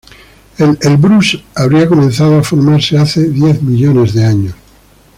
El Elbrús habría comenzado a formarse hace diez millones de años.